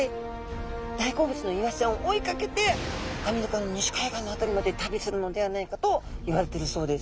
大好物のイワシちゃんを追いかけてアメリカの西海岸の辺りまで旅するのではないかといわれてるそうです。